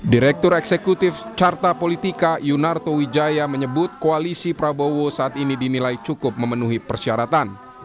direktur eksekutif carta politika yunarto wijaya menyebut koalisi prabowo saat ini dinilai cukup memenuhi persyaratan